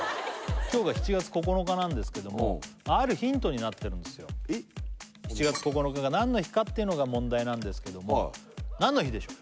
今日が７月９日なんですけどもあるヒントになってるんですよえっ！？っていうのが問題なんですけども何の日でしょう？